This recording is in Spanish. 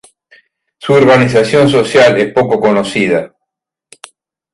Su organización social es poco conocida.